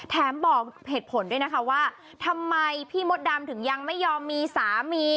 บอกเหตุผลด้วยนะคะว่าทำไมพี่มดดำถึงยังไม่ยอมมีสามี